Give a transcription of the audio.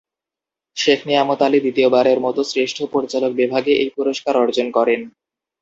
শেখ নিয়ামত আলী দ্বিতীয়বারের মত শ্রেষ্ঠ পরিচালক বিভাগে এই পুরস্কার অর্জন করেন।